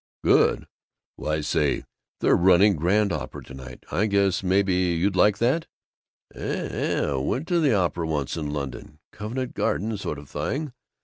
"Good? Why say, they're running grand opera right now! I guess maybe you'd like that." "Eh? Eh? Went to the opera once in London. Covent Garden sort of thing.